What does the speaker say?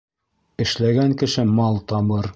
Эшләгән кеше мал табыр.